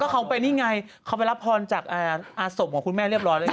เขาไปนี่ไงเขาไปรับพรจากอาสมของคุณแม่เรียบร้อยแล้ว